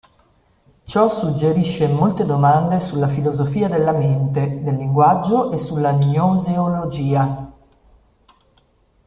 Ciò suggerisce molte domande sulla filosofia della mente, del linguaggio e sulla gnoseologia.